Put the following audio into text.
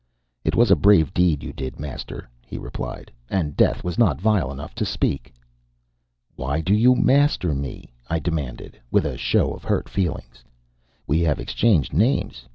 "It was a brave deed you did, master," he replied, "and Death was not vile enough to speak." "Why do you 'master' me?" I demanded, with a show of hurt feelings. "We have exchanged names.